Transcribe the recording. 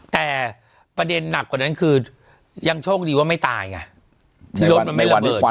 แต่ประเด็นหนักกว่านั้นคือยังโชคดีว่าไม่ตายไงที่รถมันไม่ระเบิด